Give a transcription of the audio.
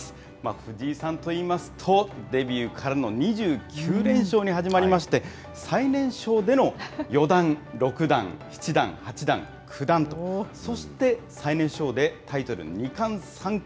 藤井さんといいますと、デビューからの２９連勝に始まりまして、最年少での四段、六段、七段、八段、九段と、そして最年少でタイトル二冠、三冠。